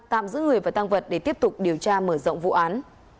tạm giữ người và tăng vật để tiếp tục điều tra mở rộng vụ án